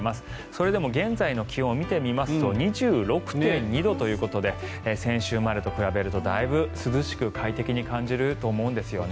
それでも現在の気温を見てみますと２６．２度ということで先週までと比べるとだいぶ涼しく快適に感じると思うんですね。